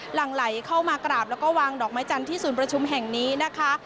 หลังไหลเข้ามากราบแล้วก็วางดอกไม้จันทร์ที่ศูนย์ประชุมแห่งนี้นะคะ